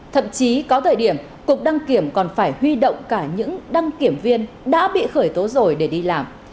thậm chí có thời điểm cục đăng kiểm còn phải huy động cả những đăng kiểm viên đã bị khởi tố rồi để đi làm